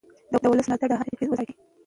د ولس ملاتړ د هرې پرېکړې وزن ټاکي